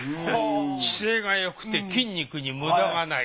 姿勢がよくて筋肉にムダがない。